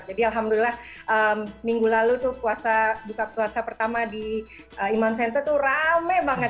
jadi alhamdulillah minggu lalu itu puasa pertama di imam center itu ramai banget